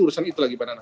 urusan itu lagi pak nana